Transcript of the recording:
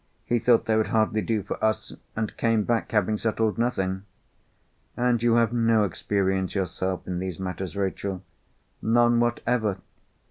He thought they would hardly do for us, and came back having settled nothing." "And you have no experience yourself in these matters, Rachel?" "None whatever."